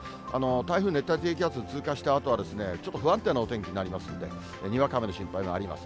台風の熱帯低気圧通過したあと、ちょっと不安定なお天気になりますので、にわか雨の心配はあります。